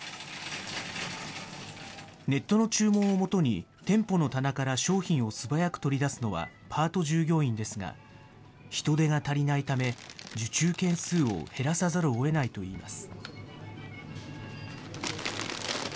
ネットの注文をもとに、店舗の棚から商品を素早く取り出すのはパート従業員ですが、人手が足りないため、受注件数を減らさざるをえないといいます。